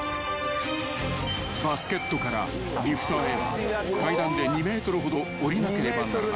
［バスケットからリフターへ階段で２ｍほど下りなければならない］